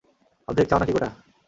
অর্ধেক চাও নাকি গোটা?